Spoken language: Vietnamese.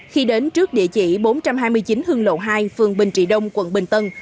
khi đến trước địa chỉ bốn trăm hai mươi chín hương lộ hai phường bình trị đông quận bình tân